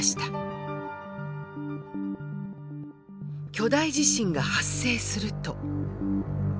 巨大地震が発生すると。